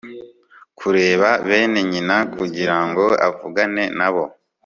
kureba bene nyina kugira ngo avugane na bo